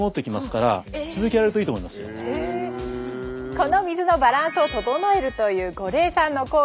この水のバランスを整えるという五苓散の効果